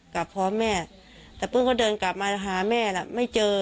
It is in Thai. กลับพอแม่แต่ปื้มก็เดินกลับมาหาแม่ล่ะไม่เจอ